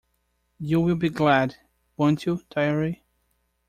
You will be glad, won't you, dearie?